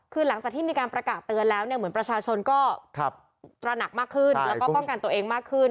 คือหลังจากที่มีการประกาศเตือนแล้วเนี่ยเหมือนประชาชนก็ตระหนักมากขึ้นแล้วก็ป้องกันตัวเองมากขึ้น